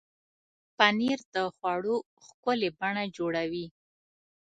پنېر د خوړو ښکلې بڼه جوړوي.